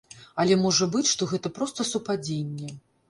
Але можа быць, што гэта проста супадзенне.